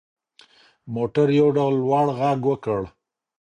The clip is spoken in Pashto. موټر یو ډول لوړ غږ وکړ.